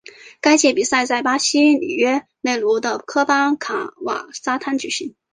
该届比赛在巴西里约热内卢的科帕卡瓦纳沙滩举行。